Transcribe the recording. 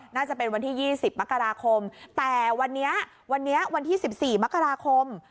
น่าจะเป็นวันที่๒๐มกฎาคมแต่วันที่๑๔มกฎาคม